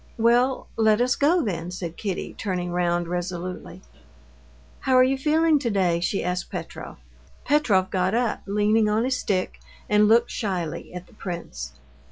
"Well, let us go, then," said Kitty, turning round resolutely. "How are you feeling today?" she asked Petrov. Petrov got up, leaning on his stick, and looked shyly at the prince.